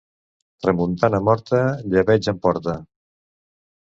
Tramuntana morta, llebeig en porta.